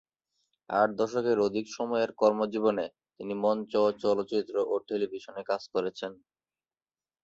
আট দশকের অধিক সময়ের কর্মজীবনে তিনি মঞ্চ, চলচ্চিত্র ও টেলিভিশনে কাজ করেছেন।